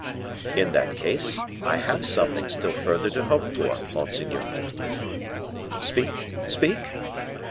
"In that case, I have something still further to hope for, monseigneur." "Speak! speak!"